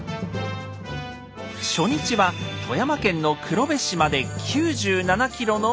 初日は富山県の黒部市まで９７ｋｍの道のり。